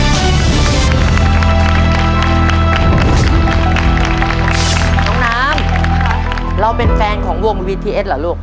น้องน้ำเราเป็นแฟนของวงวีทีเอสเหรอลูก